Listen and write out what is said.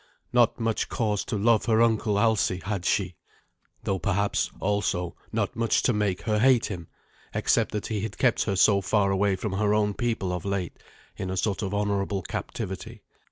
Not much cause to love her uncle Alsi had she; though perhaps, also, not much to make her hate him, except that he had kept her so far away from her own people of late, in a sort of honourable captivity.